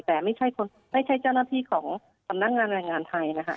แต่ไม่ใช่เจ้าหน้าที่ของสำนักงานแรงงานไทยนะคะ